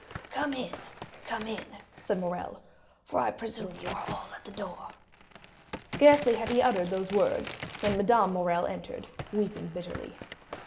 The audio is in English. "Come in, come in," said Morrel, "for I presume you are all at the door." Scarcely had he uttered those words when Madame Morrel entered weeping bitterly.